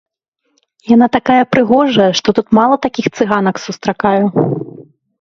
Яна такая прыгожая, што тут мала такіх цыганак сустракаю.